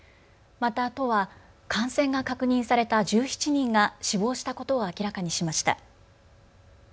また、都は感染が確認された１７人が死亡したことを明らかにしました。